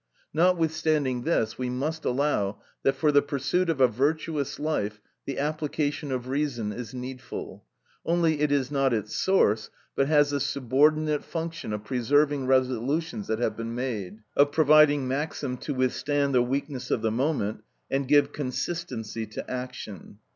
Notwithstanding this, we must allow, that for the pursuit of a virtuous life, the application of reason is needful; only it is not its source, but has the subordinate function of preserving resolutions which have been made, of providing maxims to withstand the weakness of the moment, and give consistency to action.